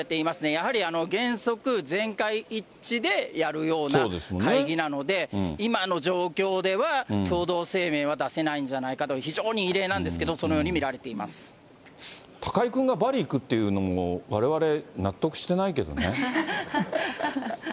やはり原則全会一致でやるような会議なので、今の状況では共同声明は出せないんじゃないかと、非常に異例なんですけど、そのよう高井君がバリ行くっていうのも、われわれ、納得してないけどね。